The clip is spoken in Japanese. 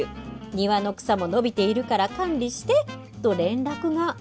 庭の草も伸びているから管理して」と連絡が。